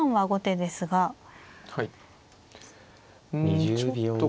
うんちょっとこう。